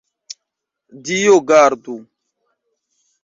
Dio gardu!